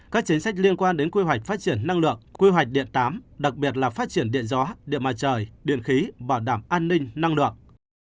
các chính sách liên quan đến quy hoạch phát triển năng lượng quy hoạch điện tám đặc biệt là phát triển điện gió điện mặt trời điện khí bảo đảm an ninh năng lượng